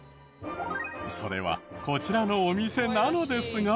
それはこちらのお店なのですが。